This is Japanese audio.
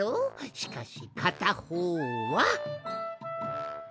しかしかたほうは。